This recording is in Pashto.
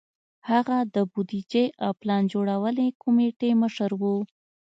هغه د بودیجې او پلان جوړونې کمېټې مشر و.